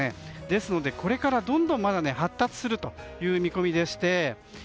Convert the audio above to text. ですのでこれからどんどん発達するという見込みでして。